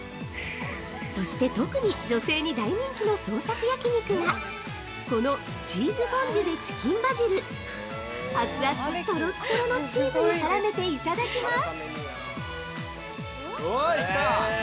そして、特に女性に大人気の創作焼肉がこの「チーズフォンデュｄｅチキンバジル」熱々でとろとろのチーズに絡めて、いただきます。